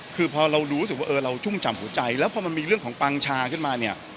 คือพอเรารู้สึกว่าเออเราชุ่มฉ่ำหัวใจแล้วพอมันมีเรื่องของปังชาขึ้นมาเนี่ย